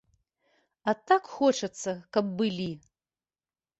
А так хочацца, каб былі!